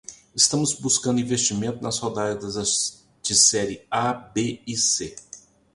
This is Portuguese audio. Estamos buscando investimento nas rodadas de Series A, B e C.